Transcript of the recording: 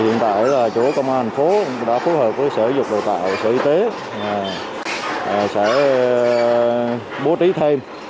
hiện tại là chỗ công an thành phố đã phối hợp với sở dục đào tạo sở y tế sẽ bố trí thêm